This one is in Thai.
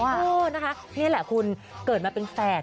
เออนะคะนี่แหละคุณเกิดมาเป็นแฝด